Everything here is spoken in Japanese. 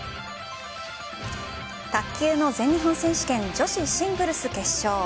卓球の全日本選手権女子シングルス決勝。